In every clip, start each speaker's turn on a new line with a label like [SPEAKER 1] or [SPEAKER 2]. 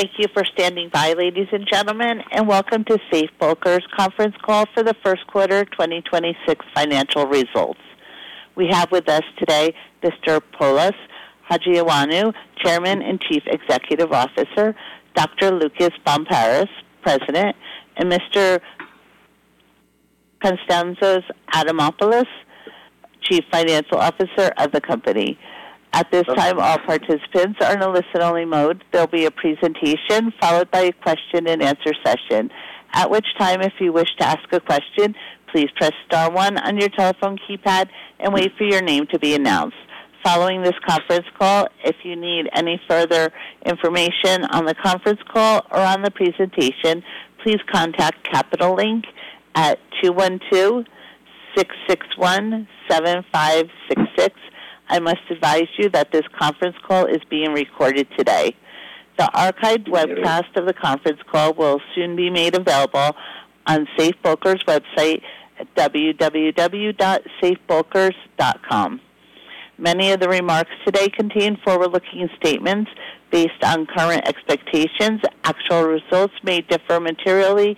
[SPEAKER 1] Thank you for standing by, ladies and gentlemen, and welcome to Safe Bulkers conference call for the first quarter 2026 financial results. We have with us today Mr. Polys Hajioannou, Chairman and Chief Executive Officer, Dr. Loukas Barmparis, President, and Mr. Konstantinos Adamopoulos, Chief Financial Officer of the company. At this time, all participants are in a listen-only mode. There'll be a presentation followed by a question and answer session. At which time, if you wish to ask a question, please press star one on your telephone keypad and wait for your name to be announced. Following this conference call, if you need any further information on the conference call or on the presentation, please contact Capital Link at 212-661-7566. I must advise you that this conference call is being recorded today. The archived webcast of the conference call will soon be made available on Safe Bulkers website at www.safebulkers.com. Many of the remarks today contain forward-looking statements based on current expectations. Actual results may differ materially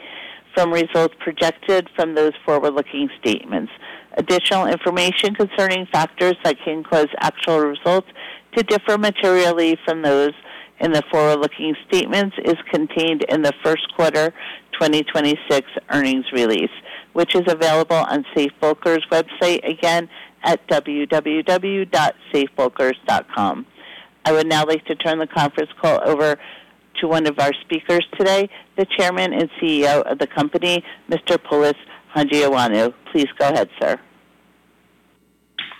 [SPEAKER 1] from results projected from those forward-looking statements. Additional information concerning factors that can cause actual results to differ materially from those in the forward-looking statements is contained in the first quarter 2026 earnings release, which is available on Safe Bulkers website, again, at www.safebulkers.com. I would now like to turn the conference call over to one of our speakers today, the Chairman and CEO of the company, Mr. Polys Hajioannou. Please go ahead, sir.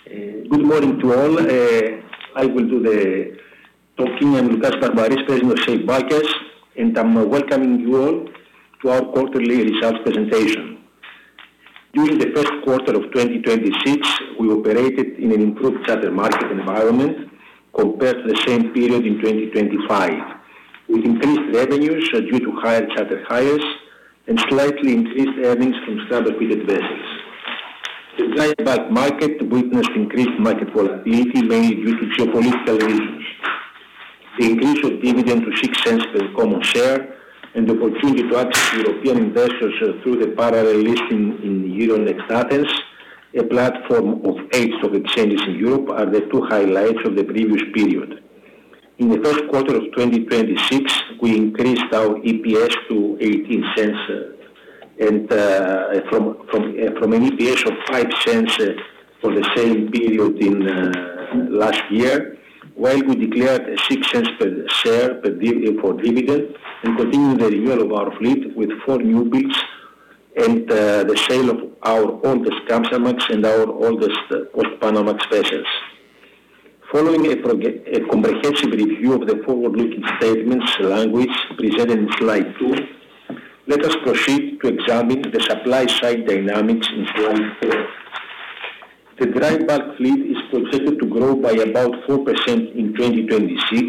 [SPEAKER 2] Good morning to all. I will do the talking. I'm Loukas Barmparis, President of Safe Bulkers, and I'm welcoming you all to our quarterly results presentation. During the first quarter of 2026, we operated in an improved charter market environment compared to the same period in 2025, with increased revenues due to higher charter hires and slightly increased earnings from time-chartered vessels. The dry bulk market witnessed increased market volatility, mainly due to geopolitical reasons. The increase of dividend to $0.06 per common share and the opportunity to access European investors through the parallel listing in Euronext Athens, a platform of eight stock exchanges in Europe, are the two highlights of the previous period. In the first quarter of 2026, we increased our EPS to $0.18, and from an EPS of $0.05 for the same period in last year, while we declared $0.06 per share for dividend and continue the renewal of our fleet with four new builds and the sale of our oldest Kamsarmax and our oldest Post-Panamax vessels. Following a comprehensive review of the forward-looking statements language presented in slide two, let us proceed to examine the supply side dynamics involved here. The dry bulk fleet is projected to grow by about 4% in 2026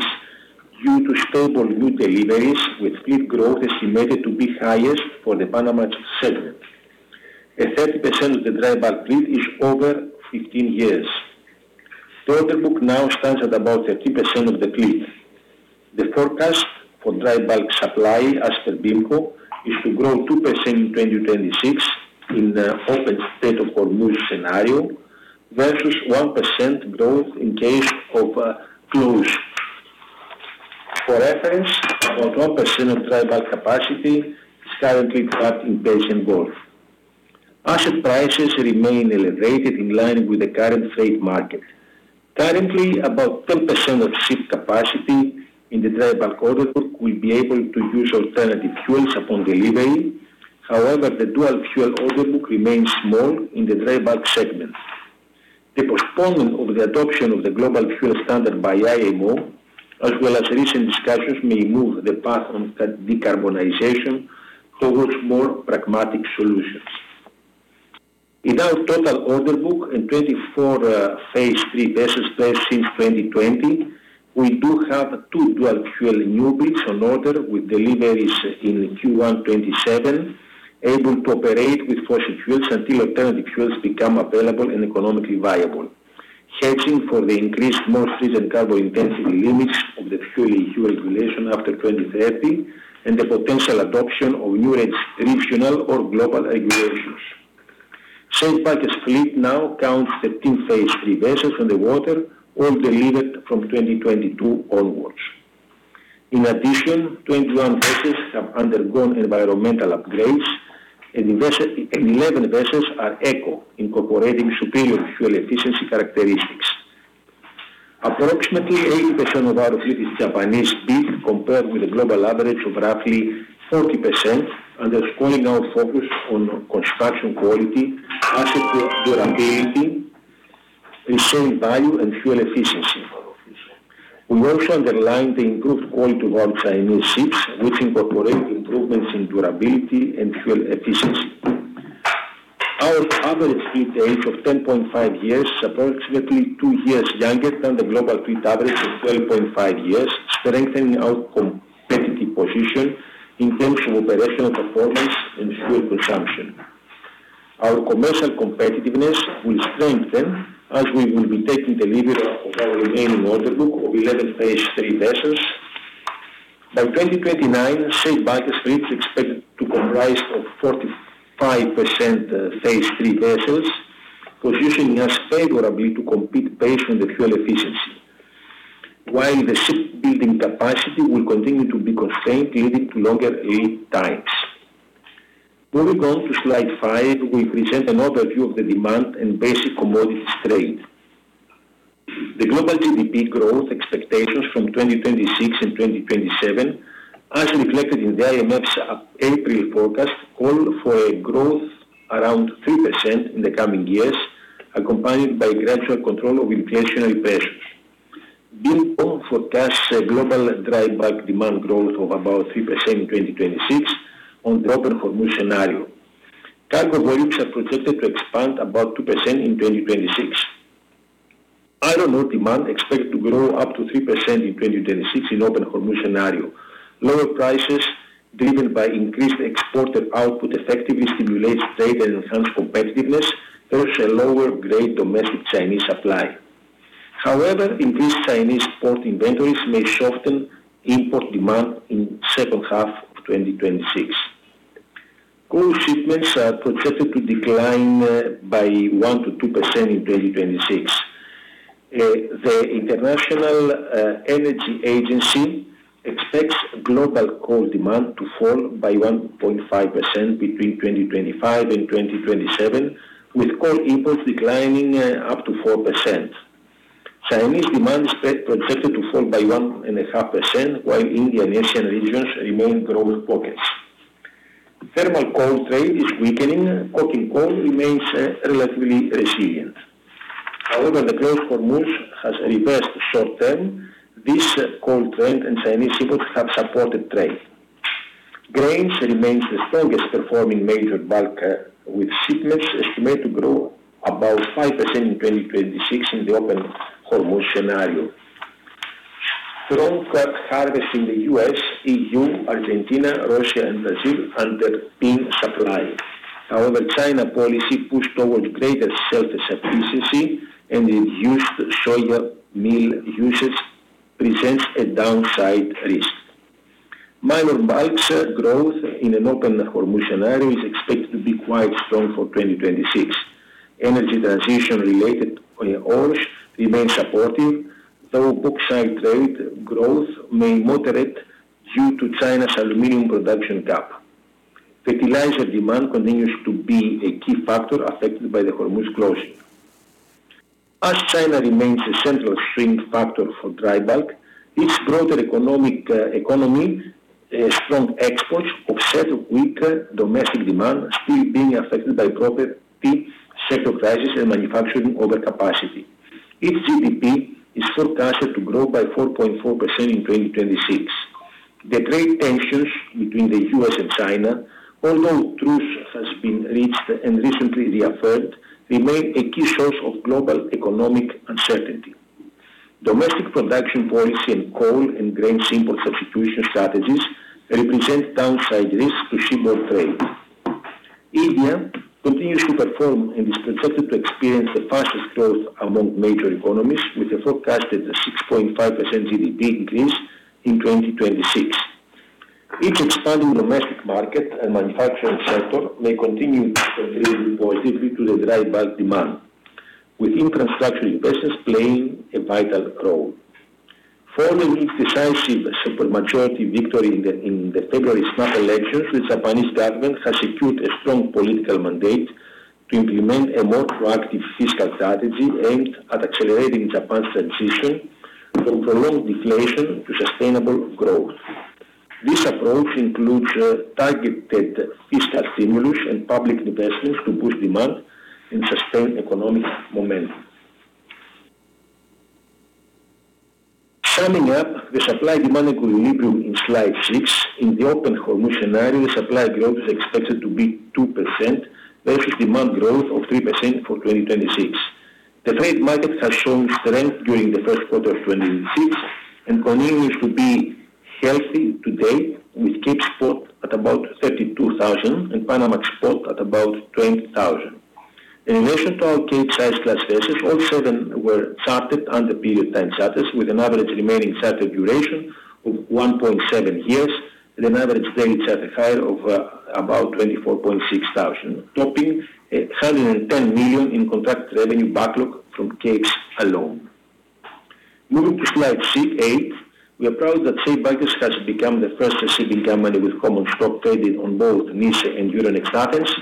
[SPEAKER 2] due to stable new deliveries, with fleet growth estimated to be highest for the Panamax segment. A 30% of the dry bulk fleet is over 15 years. The order book now stands at about 13% of the fleet. The forecast for dry bulk supply as per BIMCO is to grow 2% in 2026 in the Open Hormuz scenario versus 1% growth in case of a close. For reference, about 1% of dry bulk capacity is currently trapped in Persian Gulf. Asset prices remain elevated in line with the current freight market. Currently, about 10% of ship capacity in the dry bulk order book will be able to use alternative fuels upon delivery. However, the dual fuel order book remains small in the dry bulk segment. The postponement of the adoption of the global fuel standard by IMO, as well as recent discussions may move the path on decarbonization towards more pragmatic solutions. In our total order book in 2024 Phase 3 vessels placed since 2020, we do have 2 dual fuel new builds on order with deliveries in Q1 2027, able to operate with fossil fuels until alternative fuels become available and economically viable. Hedging for the increased more stringent carbon intensity limits of the FuelEU Maritime regulation after 2030 and the potential adoption of new regional or global regulations. Safe Bulkers fleet now counts 13 Phase 3 vessels on the water, all delivered from 2022 onwards. In addition, 21 vessels have undergone environmental upgrades and 11 vessels are Eco, incorporating superior fuel efficiency characteristics. Approximately 80% of our fleet is Japanese-built, compared with the global average of roughly 40%, underscoring our focus on construction quality, asset durability, resale value, and fuel efficiency. We also underline the improved quality of our Chinese ships, which incorporate improvements in durability and fuel efficiency. Our average fleet age of 10.5 years is approximately two years younger than the global fleet average of 12.5 years, strengthening our competitive position in terms of operational performance and fuel consumption. Our commercial competitiveness will strengthen as we will be taking delivery of our remaining order book of 11 Phase 3 vessels. By 2029, Safe Bulkers is expected to comprise of 45% Phase 3 vessels, positioning us favorably to compete based on the fuel efficiency. While the shipbuilding capacity will continue to be constrained, leading to longer lead times. Moving on to slide 5, we present an overview of the demand in basic commodities trade. The global GDP growth expectations from 2026 and 2027, as reflected in the IMF's April forecast, call for a growth around 3% in the coming years, accompanied by gradual control of inflationary pressures. BIMCO forecasts a global dry bulk demand growth of about 3% in 2026 on the Open Hormuz scenario. Cargo volumes are projected to expand about 2% in 2026. Iron ore demand expected to grow up to 3% in 2026 in Open Hormuz scenario. Lower prices driven by increased exported output effectively stimulates trade and enhanced competitiveness versus lower-grade domestic Chinese supply. However, increased Chinese port inventories may soften import demand in second half of 2026. Coal shipments are projected to decline by 1%-2% in 2026. The International Energy Agency expects global coal demand to fall by 1.5% between 2025 and 2027, with coal imports declining up to 4%. Chinese demand is projected to fall by 1.5%, while Indian Ocean regions remain growth pockets. Thermal coal trade is weakening. Coking coal remains relatively resilient. However, the closed Hormuz has reversed short term. This coal trend and Chinese imports have supported trade. Grains remain the strongest performing major bulk, with shipments estimated to grow about 5% in 2026 in the Open Hormuz scenario. Strong crop harvest in the U.S., EU, Argentina, Russia, and Brazil underpin supply. However, China policy push towards greater self-sufficiency and reduced soya meal usage presents a downside risk. Minor bulks growth in an Open Hormuz scenario is expected to be quite strong for 2026. Energy transition related ores remain supportive, though China's aluminum production gap may moderate due to bauxite trade growth. Fertilizer demand continues to be a key factor affected by the Hormuz closing. As China remains a central swing factor for dry bulk, its broader economy, strong exports offset weaker domestic demand still being affected by property sector crisis and manufacturing overcapacity. Its GDP is forecasted to grow by 4.4% in 2026. The trade tensions between the U.S. and China, although truce has been reached and recently reaffirmed, remain a key source of global economic uncertainty. Domestic production policy and coal and grain import substitution strategies represent downside risks to seaborne trade. India continues to perform and is projected to experience the fastest growth among major economies, with a forecasted 6.5% GDP increase in 2026. Its expanding domestic market and manufacturing sector may continue to contribute positively to the dry bulk demand, with infrastructure investments playing a vital role. Following its decisive supermajority victory in the February snap elections, the Japanese government has secured a strong political mandate to implement a more proactive fiscal strategy aimed at accelerating Japan's transition from prolonged deflation to sustainable growth. This approach includes targeted fiscal stimulus and public investments to boost demand and sustain economic momentum. Summing up the supply-demand equilibrium in slide six, in the Open Hormuz scenario, supply growth is expected to be 2%, versus demand growth of 3% for 2026. The freight market has shown strength during the first quarter of 2026 and continues to be healthy today, with Capes spot at about $32,000 and Panamax spot at about $20,000. In relation to our Capesize class vessels, all seven were chartered under period time charters, with an average remaining charter duration of 1.7 years and an average daily charter hire of about $24.6000, topping $110 million in contracted revenue backlog from Capes alone. Moving to slide C8. We are proud that Safe Bulkers has become the first shipping company with common stock traded on both NYSE and Euronext Athens.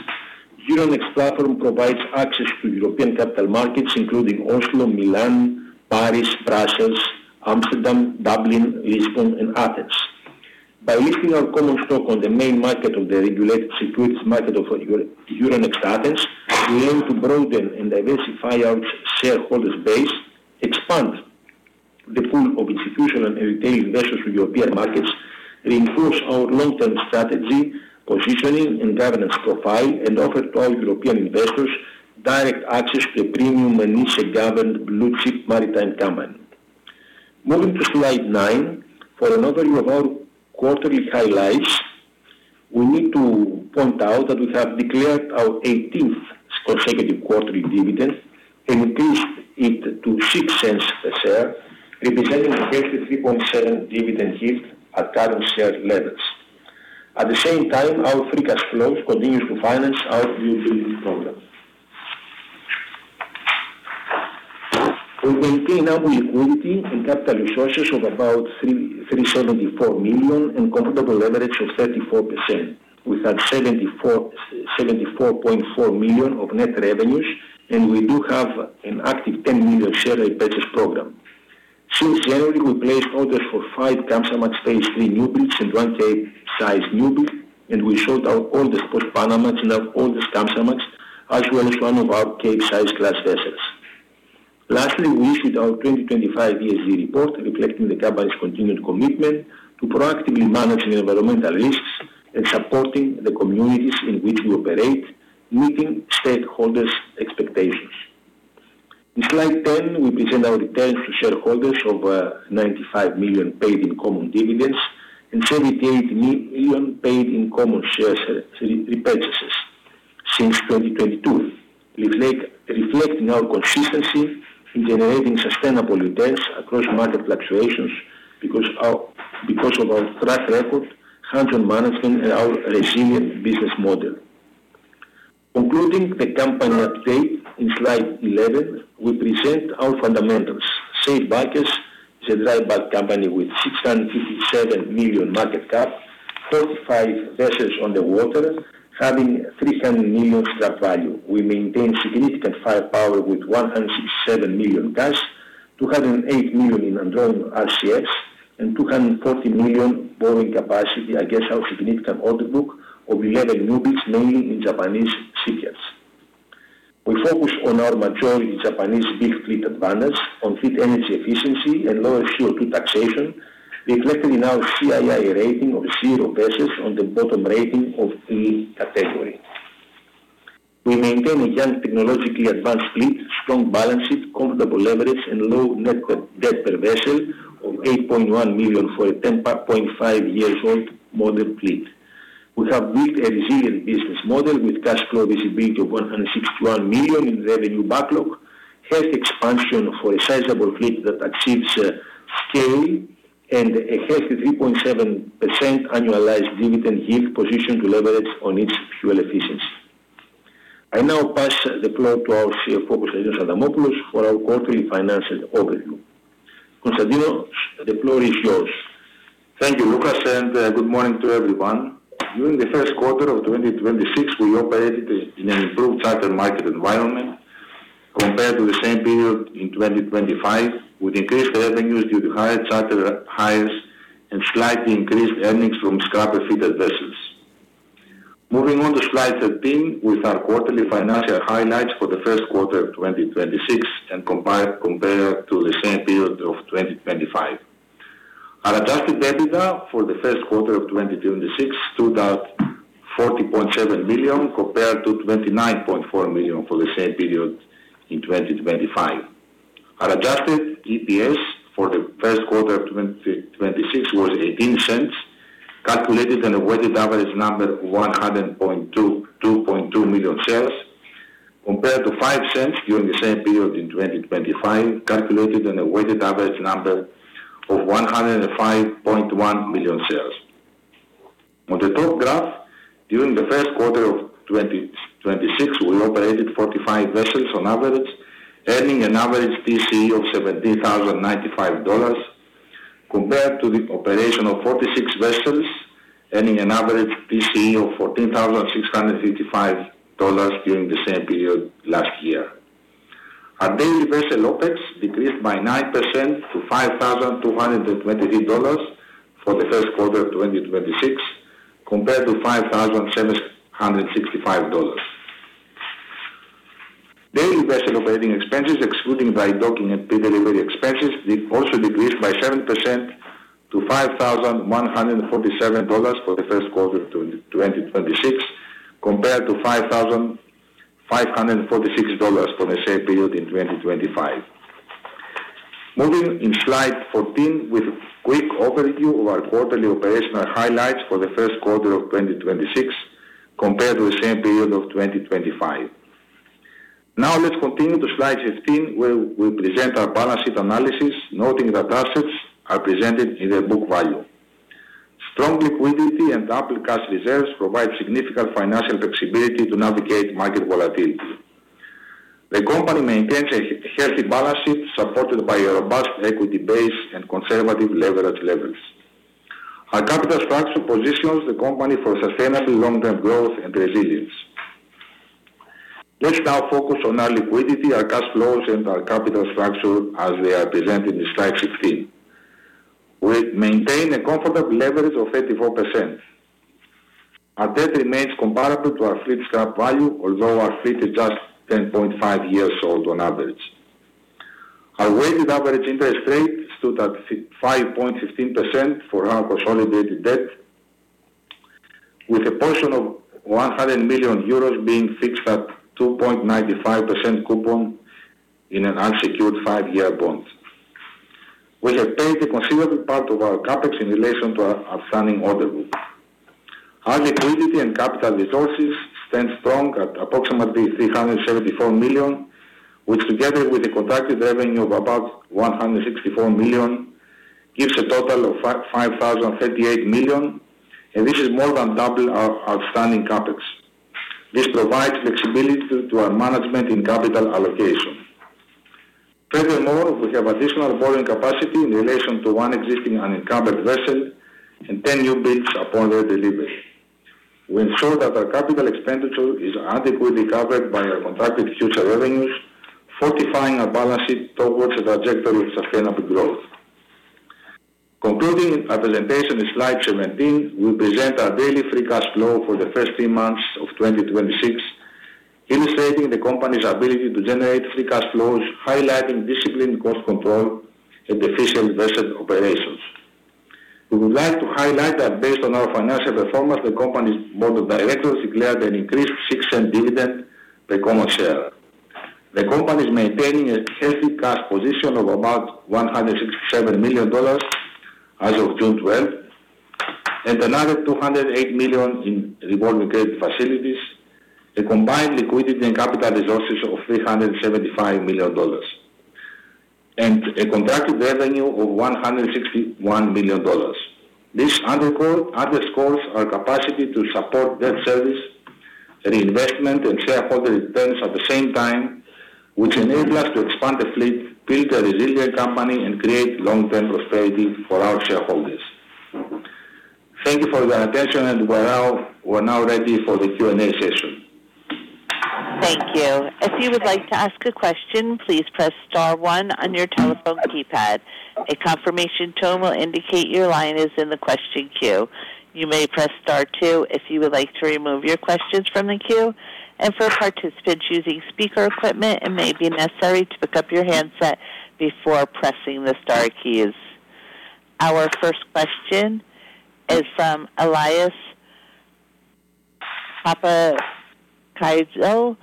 [SPEAKER 2] Euronext platform provides access to European capital markets, including Oslo, Milan, Paris, Brussels, Amsterdam, Dublin, Lisbon and Athens. By listing our common stock on the main market of the regulated securities market of Euronext Athens, we aim to broaden and diversify our shareholders base, expand the pool of institutional and retail investors to European markets, reinforce our long-term strategy, positioning and governance profile, and offer to our European investors direct access to a premium NYSE-governed blue-chip maritime company. Moving to slide nine, for an overview of our quarterly highlights, we need to point out that we have declared our 18th consecutive quarterly dividend, increased it to $0.06 a share, representing a 33.7% dividend yield at current share levels. At the same time, our free cash flow continues to finance our newbuilding program. We maintain ample liquidity and capital resources of about $374 million and comfortable leverage of 34%. We had $74.4 million of net revenues, and we do have an active $10 million share repurchase program. Since January, we placed orders for five Kamsarmax Phase 3 newbuilds and one Capesize newbuild, and we sold our oldest Post-Panamax and our oldest Kamsarmax, as well as one of our Capesize class vessels. Lastly, we issued our 2025 ESG report reflecting the company's continued commitment to proactively managing environmental risks and supporting the communities in which we operate, meeting stakeholders' expectations. In slide 10, we present our returns to shareholders of $95 million paid in common dividends and $78 million paid in common shares repurchases since 2022, reflecting our consistency in generating sustainable returns across market fluctuations because of our track record, hands-on management and our resilient business model. Concluding the company update in slide 11, we present our fundamentals. Safe Bulkers is a dry bulk company with $657 million market cap, 45 vessels on the water, having $300 million scrap value. We maintain significant firepower with $167 million cash, $208 million in undrawn RCFs, and $230 million borrowing capacity against our significant order book of 11 newbuilds, mainly in Japanese shipyards. We focus on our majority Japanese fleet advantage on fleet energy efficiency and lower CO2 taxation, reflected in our CII rating of zero vessels on the bottom rating of E category. We maintain a young, technologically advanced fleet, strong balance sheet, comfortable leverage and low net debt per vessel of $8.1 million for a 10.5 years old modern fleet. We have built a resilient business model with cash flow visibility of $161 million in revenue backlog, healthy expansion for a sizable fleet that achieves scale and a healthy 3.7% annualized dividend yield position to leverage on its fuel efficiency. I now pass the floor to our CFO, Konstantinos Adamopoulos, for our quarterly financial overview. Konstantinos, the floor is yours.
[SPEAKER 3] Thank you, Loukas, and good morning to everyone. During the first quarter of 2026, we operated in an improved charter market environment compared to the same period in 2025, with increased revenues due to higher charter hires and slightly increased earnings from scrap-affected vessels. Moving on to slide 13 with our quarterly financial highlights for the first quarter of 2026 compared to the same period of 2025. Our adjusted EBITDA for the first quarter of 2026 stood at $40.7 million, compared to $29.4 million for the same period in 2025. Our adjusted EPS for the first quarter of 2026 was $0.18, calculated on a weighted average number 100.2 million shares, compared to $0.05 during the same period in 2025, calculated on a weighted average number of 105.1 million shares. On the top graph, during the first quarter of 2026, we operated 45 vessels on average, earning an average TCE of $17,095 compared to the operation of 46 vessels earning an average TCE of $14,655 during the same period last year. Our daily vessel OpEx decreased by 9% to $5,223 for the first quarter of 2026 compared to $5,765. Daily vessel operating expenses, excluding dry docking and delivery expenses, also decreased by 7% to $5,147 for the first quarter of 2026, compared to $5,546 for the same period in 2025. Moving in slide 14 with a quick overview of our quarterly operational highlights for the first quarter of 2026 compared to the same period of 2025. Now let's continue to slide 15, where we present our balance sheet analysis, noting that assets are presented in their book value. Strong liquidity and ample cash reserves provide significant financial flexibility to navigate market volatility. The company maintains a healthy balance sheet supported by a robust equity base and conservative leverage levels. Our capital structure positions the company for sustainable long-term growth and resilience. Let's now focus on our liquidity, our cash flows, and our capital structure as they are presented in slide 16. We maintain a comfortable leverage of 34%. Our debt remains comparable to our fleet scrap value, although our fleet is just 10.5 years old on average. Our weighted average interest rate stood at 5.15% for our consolidated debt. With a portion of 100 million euros being fixed at 2.95% coupon in an unsecured five-year bond. We have paid a considerable part of our CapEx in relation to our outstanding order book. Our liquidity and capital resources stand strong at approximately $374 million, which together with the contracted revenue of about $164 million, gives a total of $5,038 million. This is more than double our outstanding CapEx. This provides flexibility to our management in capital allocation. Furthermore, we have additional borrowing capacity in relation to one existing unencumbered vessel and 10 new builds upon their delivery. We ensure that our capital expenditure is adequately covered by our contracted future revenues, fortifying our balance sheet towards a trajectory of sustainable growth. Concluding our presentation in slide 17, we present our daily free cash flow for the first three months of 2026, illustrating the company's ability to generate free cash flows, highlighting disciplined cost control and efficient vessel operations. We would like to highlight that based on our financial performance, the company's board of directors declared an increased $0.06 dividend per common share. The company is maintaining a healthy cash position of about $167 million as of June 12th. Another $208 million in revolving credit facilities, a combined liquidity and capital resources of $375 million. A contracted revenue of $161 million. This underscores our capacity to support debt service, reinvestment, and shareholder returns at the same time, which enable us to expand the fleet, build a resilient company, and create long-term prosperity for our shareholders. Thank you for your attention, and we're now ready for the Q&A session.
[SPEAKER 1] Thank you. If you would like to ask a question, please press star one on your telephone keypad. A confirmation tone will indicate your line is in the question queue. You may press star two if you would like to remove your questions from the queue. For participants using speaker equipment, it may be necessary to pick up your handset before pressing the star keys. Our first question is from [Elias Papachristou]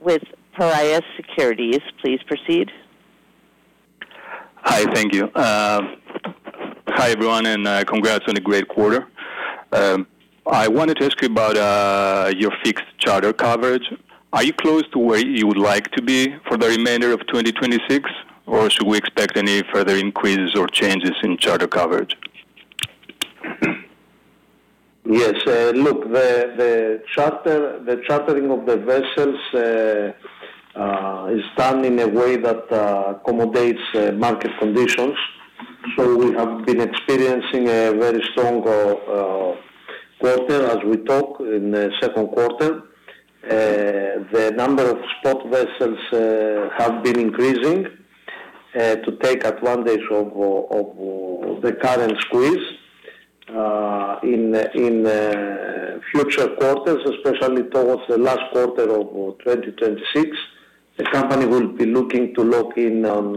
[SPEAKER 1] with Piraeus Securities. Please proceed.
[SPEAKER 4] Hi. Thank you. Hi, everyone, and congrats on a great quarter. I wanted to ask you about your fixed charter coverage. Are you close to where you would like to be for the remainder of 2026, or should we expect any further increases or changes in charter coverage?
[SPEAKER 3] Yes. Look, the chartering of the vessels is done in a way that accommodates market conditions. We have been experiencing a very strong quarter as we talk in the second quarter. The number of spot vessels have been increasing to take advantage of the current squeeze. In future quarters, especially towards the last quarter of 2026, the company will be looking to lock in on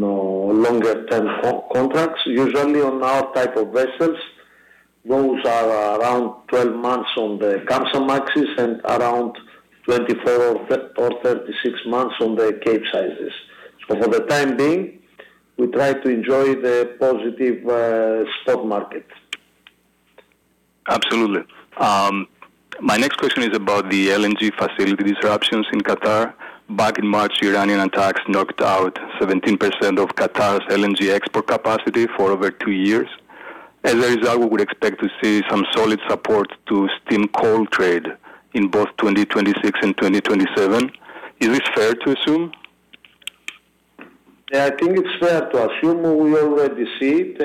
[SPEAKER 3] longer-term contracts. Usually, on our type of vessels, those are around 12 months on the Kamsarmaxes and around 24 or 36 months on the Capesizes. For the time being, we try to enjoy the positive stock market.
[SPEAKER 4] Absolutely. My next question is about the LNG facility disruptions in Qatar. Back in March, Iranian attacks knocked out 17% of Qatar's LNG export capacity for over two years. As a result, we would expect to see some solid support to steam coal trade in both 2026 and 2027. Is this fair to assume?
[SPEAKER 3] Yeah, I think it's fair to assume. We already see it,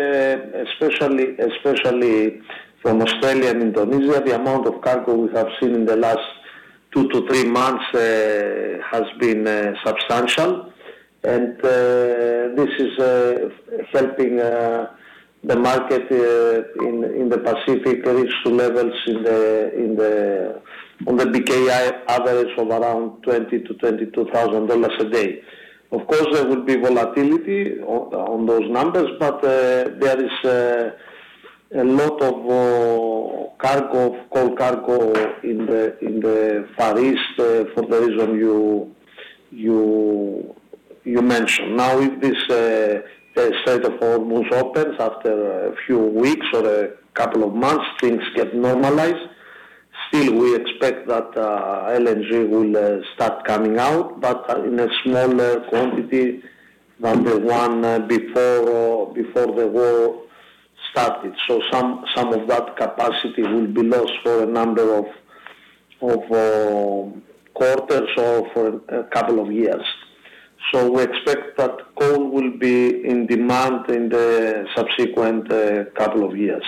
[SPEAKER 3] especially from Australia and Indonesia. The amount of cargo we have seen in the last two to three months has been substantial, and this is helping the market in the Pacific reach to levels on the BPI average of around $20,000-$22,000 a day. Of course, there will be volatility on those numbers, but there is a lot of coal cargo in the Far East for the reason you mentioned. Now, if this state of war moves opens after a few weeks or a couple of months, things get normalized, still, we expect that LNG will start coming out, but in a smaller quantity than the one before the war started. Some of that capacity will be lost for a number of quarters or for a couple of years. We expect that coal will be in demand in the subsequent couple of years.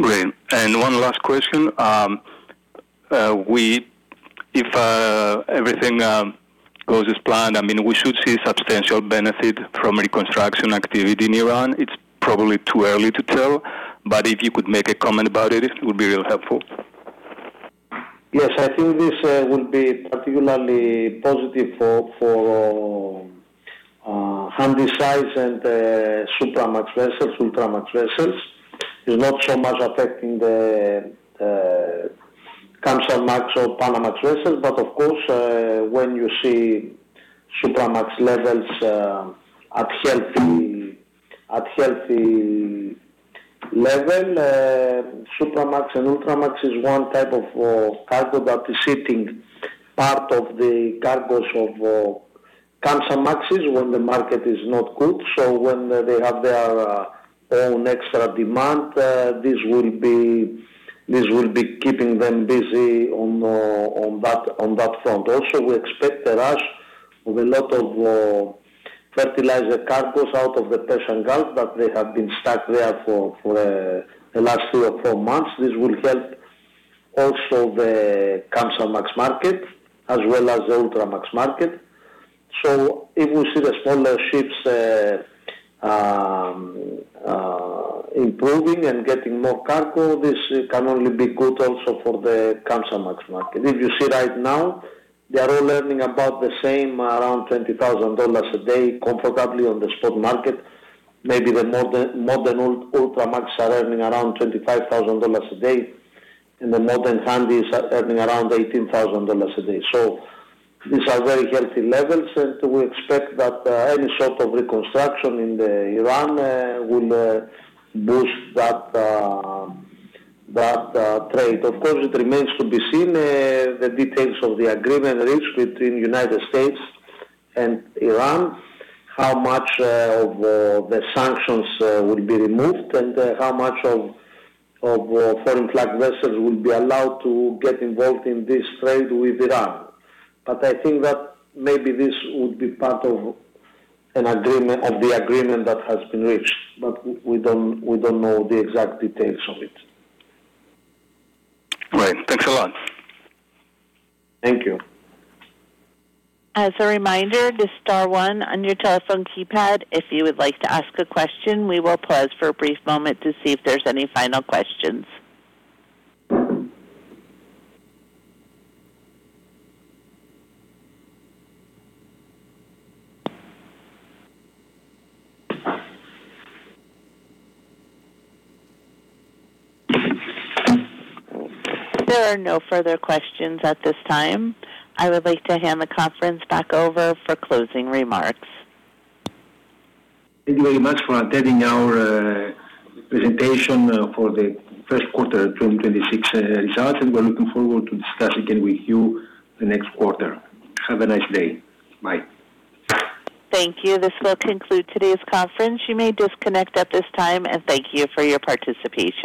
[SPEAKER 4] Great. One last question. If everything goes as planned, we should see substantial benefit from reconstruction activity in Iran. It is probably too early to tell, but if you could make a comment about it would be real helpful.
[SPEAKER 5] Yes, I think this will be particularly positive for Handysize and Supramax vessels, Ultramax vessels. It is not so much affecting the Kamsarmax or Panamax vessels, but of course, when you see Supramax levels at healthy level, Supramax and Ultramax is one type of cargo that is sitting part of the cargoes of Kamsarmaxes when the market is not good. When they have their own extra demand, this will be keeping them busy on that front. Also, we expect a rush of a lot of fertilizer cargoes out of the Persian Gulf, but they have been stuck there for the last three or four months. This will help also the Kamsarmax market as well as the Ultramax market. If we see the smaller ships improving and getting more cargo, this can only be good also for the Kamsarmax market. If you see right now, they are all earning about the same, around $20,000 a day comfortably on the spot market. Maybe the modern Ultramax are earning around $25,000 a day, and the modern Handys are earning around $18,000 a day. These are very healthy levels, and we expect that any sort of reconstruction in Iran will boost that trade. Of course, it remains to be seen, the details of the agreement reached between United States and Iran, how much of the sanctions will be removed, and how much of foreign flag vessels will be allowed to get involved in this trade with Iran. I think that maybe this would be part of the agreement that has been reached, but we do not know the exact details of it.
[SPEAKER 4] Right. Thanks a lot.
[SPEAKER 5] Thank you.
[SPEAKER 1] As a reminder, to star one on your telephone keypad if you would like to ask a question. We will pause for a brief moment to see if there's any final questions. If there are no further questions at this time, I would like to hand the conference back over for closing remarks.
[SPEAKER 5] Thank you very much for attending our presentation for the first quarter 2026 results. We're looking forward to discussing again with you the next quarter. Have a nice day. Bye.
[SPEAKER 1] Thank you. This will conclude today's conference. You may disconnect at this time, and thank you for your participation.